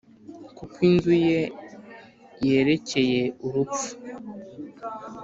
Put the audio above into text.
kuko inzu ye yerekeye urupfu,